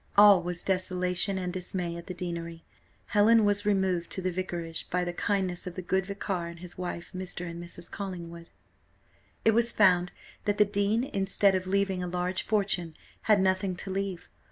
All was desolation and dismay at the deanery; Helen was removed to the vicarage by the kindness of the good vicar and his wife, Mr. and Mrs. Collingwood. It was found that the dean, instead of leaving a large fortune, had nothing to leave.